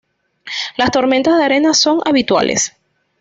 Las tormentas de arena son habituales.